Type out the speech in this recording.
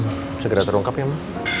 semoga kebenaran segera terungkap ya ma